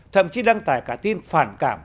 thậm chí đăng tài cả tin phản cảm